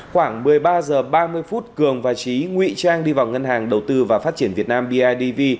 khoảng một mươi ba h ba mươi phút cường và trí nguy trang đi vào ngân hàng đầu tư và phát triển việt nam bidv